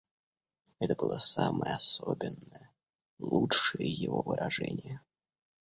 Это было самое особенное, лучшее его выражение.